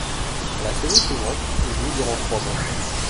La saison suivante, il joue durant trois mois.